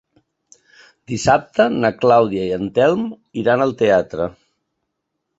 Dissabte na Clàudia i en Telm iran al teatre.